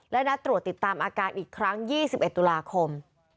และนัดตรวจติดตามอาการอีกครั้ง๒๑ตุลาคม